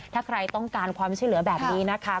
ถ้าใครต้องการความช่วยเหลือแบบนี้นะคะ